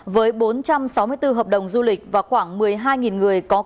với bốn trăm sáu mươi bốn hợp đồng du lịch và khoảng một mươi hai người có cơ hội